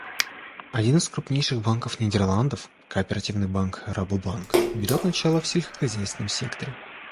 Один из крупнейших банков Нидерландов, кооперативный банк «Рабобанк», берет начало в сельскохозяйственном секторе.